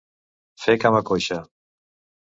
Fer cama coixa.